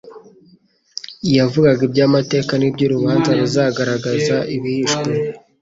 Yavugaga iby'amateka n'iby'urubanza ruzagaragaza ibihishwe.